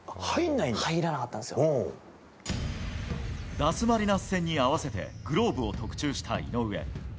ダスマリナス戦に合わせてグローブを特注した井上。